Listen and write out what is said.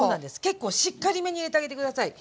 結構しっかりめに入れてあげて下さい。